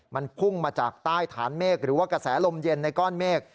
มันพุ่งมาจากใต้ฐานเมฆหรือว่ากระแสลมเย็นในก้อนเมฆ